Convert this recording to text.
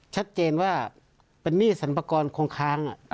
ชัดเจนว่าเป็นหนี้สรรพากรคงค้าง